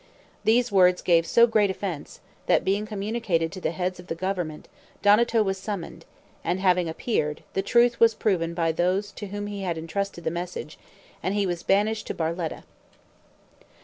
These words gave so great offense, that being communicated to the heads of the government, Donato was summoned, and having appeared, the truth was proven by those to whom he had intrusted the message, and he was banished to Barletta.